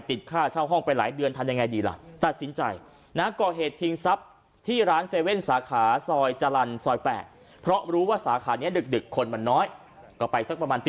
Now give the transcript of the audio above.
ติดค่าเช่าห้องไปหลายเดือนทันอย่างไรดีล่ะจัดสินใจ